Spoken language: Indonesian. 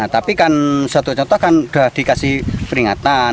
tapi kan satu contoh kan sudah dikasih peringatan